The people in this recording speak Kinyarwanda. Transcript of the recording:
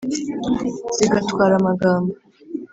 zigatwara amagambo;